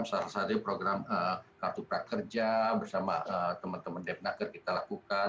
secara sahaja program kartu prakerja bersama teman teman depnakar kita lakukan